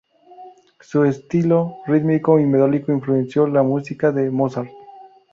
Su estilo rítmico y melódico influenció la música de Mozart.